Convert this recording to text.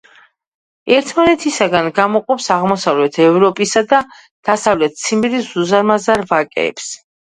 ერთმანეთისაგან გამოყოფს აღმოსავლეთ ევროპისა და დასავლეთ ციმბირის უზარმაზარ ვაკეებს.